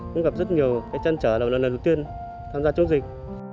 cũng gặp rất nhiều cái trăn trở lần lần đầu tiên tham gia chống dịch